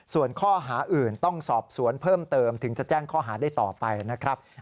ส่วนข้อหาอื่นต้องสอบสวนเพิ่มเติมถึงจะแจ้งข้อหาได้ต่อไปนะครับ